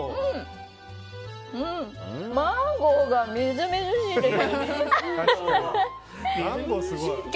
マンゴーがみずみずしいです。